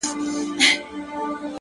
زه به دي تل په ياد کي وساتمه-